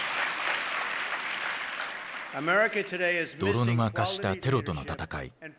泥沼化した「テロとの戦い」。